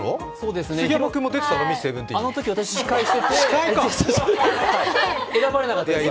あのとき私、司会していて、選ばれなかったですけど。